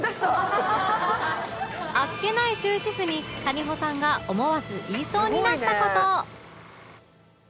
あっけない終止符に谷保さんが思わず言いそうになった事